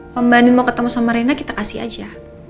kalau mbak andin mau ketemu sama rina kita kasih aja